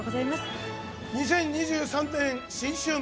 「２０２３年新春！